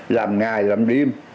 làm ngày làm đêm